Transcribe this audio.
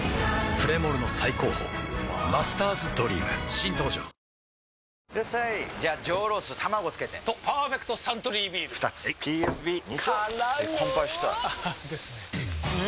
プレモルの最高峰「マスターズドリーム」新登場ワオいらっしゃいじゃあ上ロース卵つけてと「パーフェクトサントリービール」２つはいＰＳＢ２丁！！からの乾杯したいですよねう！